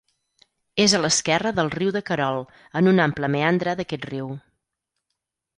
És a l'esquerra del Riu de Querol, en un ample meandre d'aquest riu.